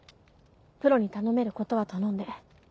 プロに頼めることは頼んで。